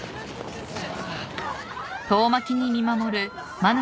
よし！